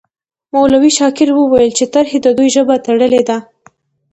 مولوي شاکر وویل چې ترهې د دوی ژبه تړلې ده.